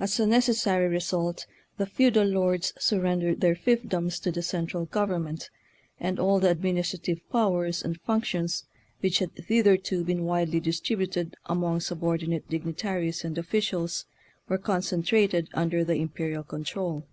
As a necessary result, the feudal lords surren dered their fiefdoms to the central gov ernment, and all the administrative pow ers and functions which had thitherto been widely distributed among subordi nate dignitaries and officials were con centrated under the imperial control.